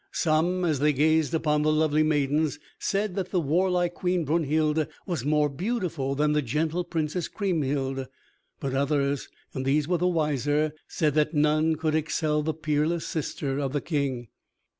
Some, as they gazed upon the lovely maidens, said that the warlike Queen Brunhild was more beautiful than the gentle Princess Kriemhild, but others, and these were the wiser, said that none could excel the peerless sister of the King.